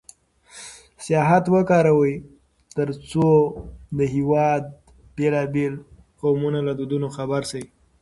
سیاحت وکاروئ ترڅو د هېواد د بېلابېلو قومونو له دودونو خبر شئ.